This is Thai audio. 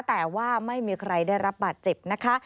แต่ว่าไม่มีใครได้รับบาดเจ็บนะคะ